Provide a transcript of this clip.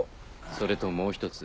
それともう一つ。